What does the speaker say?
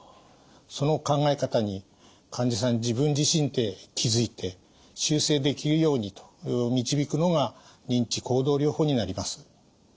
その考え方に患者さん自分自身で気付いて修正できるようにと導くのが認知行動療法になります。